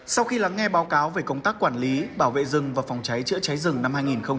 sau khi lắng nghe báo cáo về công tác quản lý bảo vệ rừng và phòng cháy chữa cháy rừng năm hai nghìn một mươi chín